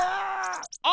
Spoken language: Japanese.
あ！